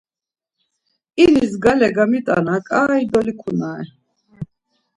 İniş gale gamit̆ana, ǩai dolikunare.